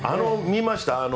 見ました？